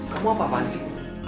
kamu apa apaan sih